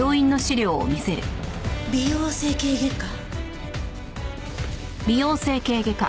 美容整形外科？